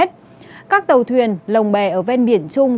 các tàu thuyền lồng bè ở ven biển trung